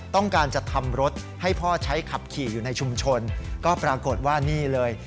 ต้องการจะทำรถให้พ่อใช้ขับขี่อยู่ในชุมชนก็ปรากฏว่านี่เลย